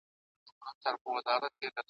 د یوې لويی غونډي `